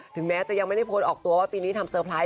ถึงแม้จะยังไม่ได้โพสต์ออกตัวว่าปีนี้ทำเตอร์ไพรส